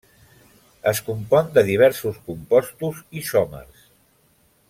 Es compon de diversos compostos isòmers.